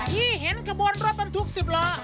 พี่เห็นขบวนรถมันทุกสิบเหรอ